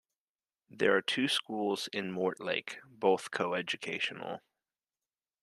There are two schools in Mortlake, both co-educational.